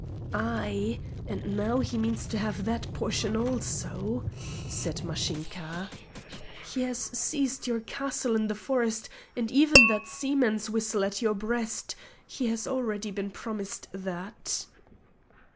"Ay; and now he means to have that portion also," said Mashinka. "He has seized your castle in the forest; and even that seaman's whistle at your breast he has already been promised that."